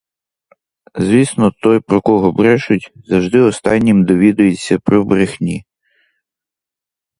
Звісно, той, про кого брешуть, завжди останнім довідується про брехні.